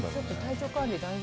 体調管理。